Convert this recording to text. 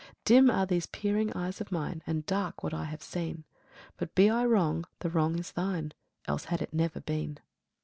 13. Dim are these peering eyes of mine, And dark what I have seen. But be I wrong, the wrong is Thine, Else had it never been.